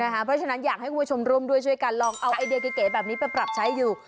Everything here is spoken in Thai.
เพราะฉะนั้นอยากให้คุณผู้ชมร่วมด้วยช่วยกันลองเอาไอเดียเก๋แบบนี้ไปปรับใช้อยู่